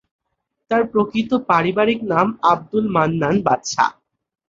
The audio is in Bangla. তার প্রকৃত পারিবারিক নাম আব্দুল মান্নান বাদশা।